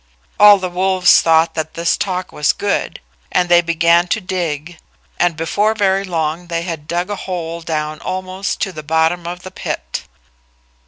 All the wolves thought that this talk was good, and they began to dig, and before very long they had dug a hole down almost to the bottom of the pit.